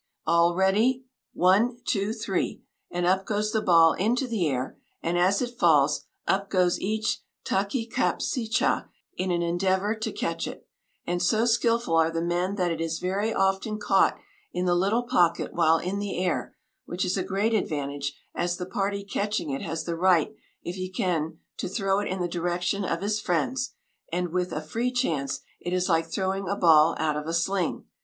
All ready: one, two, three, and up goes the ball into the air, and as it falls, up goes each Ta ki cap si cha in an endeavor to catch it, and so skillful are the men that it is very often caught in the little pocket while in the air, which is a great advantage, as the party catching it has the right if he can to throw it in the direction of his friends, and, with a free chance, it is like throwing a ball out of a sling.